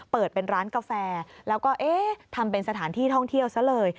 เปิดเป็นร้านกาแฟแล้วก็เอ๊ะทำเป็นสถานที่ท่องเที่ยวซะเลย